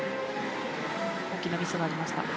大きなミスがありました。